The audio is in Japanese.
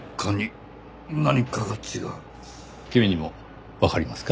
君にもわかりますか？